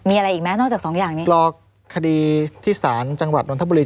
มีอะไรอีกไหมนอกจากสองอย่างนี้รอคดีที่ศาลจังหวัดนทบุรี